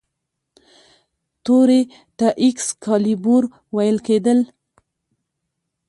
تورې ته ایکس کالیبور ویل کیدل.